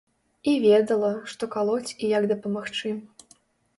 І ведала, што калоць і як дапамагчы.